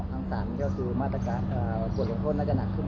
ทั้ง๒ทั้ง๓ก็คือมาตรการปวดของคนน่าจะหนักขึ้นไป